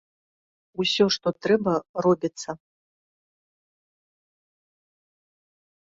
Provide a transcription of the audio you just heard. Усё, што трэба, робіцца.